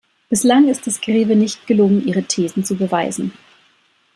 Bislang ist es Greve nicht gelungen, ihre Thesen zu beweisen.